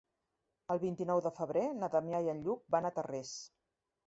El vint-i-nou de febrer na Damià i en Lluc van a Tarrés.